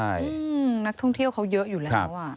ใช่นักท่องเที่ยวเขาเยอะอยู่แล้วอ่ะ